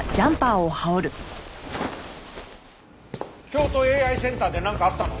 京都ＡＩセンターでなんかあったの？